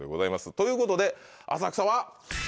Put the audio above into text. ということで浅草は。